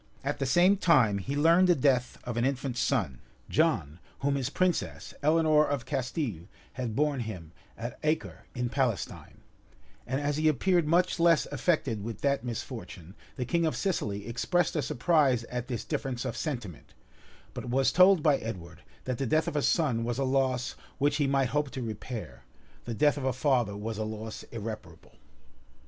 At the same time, he learned the death of an infant son, John whom his princess, Eleanor of Castile, had born him at Acre, in Palestine; and as he appeared much less affected with that misfortune, the king of Sicily expressed a surprise at this difference of sentiment; but was told by Edward, that the death of a son was a loss which he might hope to repair; the death of a father was a loss irreparable.